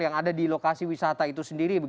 yang ada di lokasi wisata itu sendiri